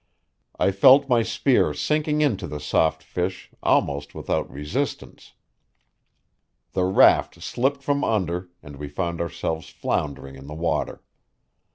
I felt my spear sinking into the soft fish almost without resistance. The raft slipped from under, and we found ourselves floundering in the water.